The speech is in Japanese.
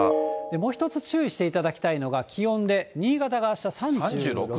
もう１つ注意していただきたいのが気温で、新潟があした３６度。